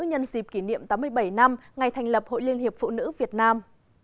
nhân dịp kỷ niệm tám mươi bảy năm ngày thành lập hội liên hiệp phụ nữ việt nam